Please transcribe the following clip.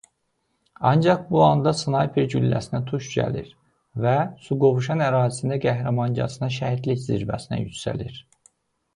Ancaq bu anda snayper gülləsinə tuş gəlir və Suqovuşan ərazisində qəhrəmancasına Şəhidlik zirvəsinə yüksəlir.